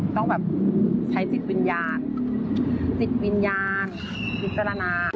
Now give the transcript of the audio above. ต้องแบบใช้จิตวิญญาณจิตวิญญาณพิจารณา